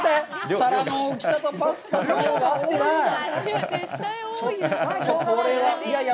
皿の大きさとパスタの量が合ってない。